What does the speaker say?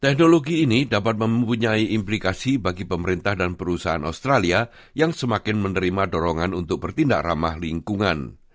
teknologi ini dapat mempunyai implikasi bagi pemerintah dan perusahaan australia yang semakin menerima dorongan untuk bertindak ramah lingkungan